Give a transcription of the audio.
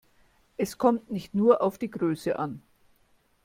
Es kommt nicht nur auf die Größe an.